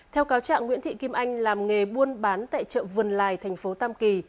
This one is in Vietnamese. theo cáo trạng nguyễn thị kim anh làm nghề buôn bán tại chợ vườn lài thành phố tam kỳ